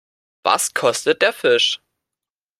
Was kostet der Fisch?